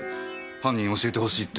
犯人教えてほしいって。